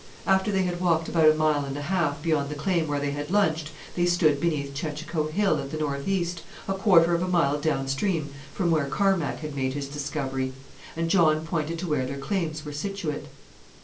After they had walked about a mile and a half beyond the claim where they had lunched they stood beneath Chechacho Hill at the north east, a quarter of a mile down stream from where Carmack had made his discovery; and John pointed to where their claims were situate.